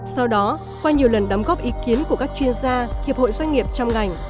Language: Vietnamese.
sau đó qua nhiều lần đóng góp ý kiến của các chuyên gia hiệp hội doanh nghiệp trong ngành